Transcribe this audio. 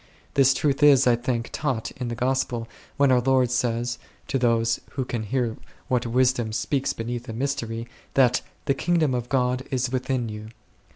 This truth is, I think, taught in the Gospel, when our Lord says, to those who can hear what Wisdom speaks beneath a mystery, that "the Kingdom of God is within you 2."